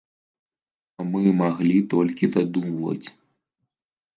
Мы маглі толькі дадумваць.